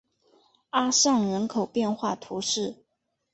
阿尚人口变化图示